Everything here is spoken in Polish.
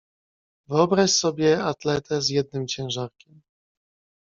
"Wyobraź sobie atletę z jednym ciężarkiem."